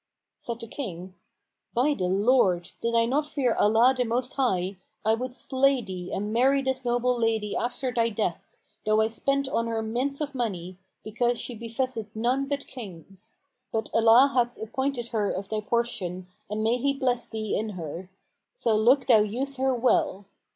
Said the King, "By the Lord, did I not fear Allah the Most High, I would slay thee and marry this noble lady after thy death, though I spent on her mints of money, because she befitteth none but Kings. But Allah hath appointed her of thy portion and may He bless thee in her! So look thou use her well."